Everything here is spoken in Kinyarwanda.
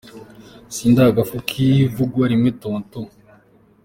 Si ndi agafu k’ ivugwa rimwe tonton.